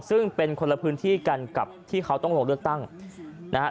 ซึ่งเป็นคนละพื้นที่กันกับที่เขาต้องลงเลือกตั้งนะฮะ